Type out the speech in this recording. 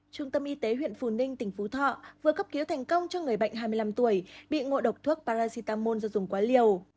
trung tâm y tế huyện phù ninh tỉnh phú thọ vừa cấp cứu thành công cho người bệnh hai mươi năm tuổi bị ngộ độc thuốc paracetamol do dùng quá liều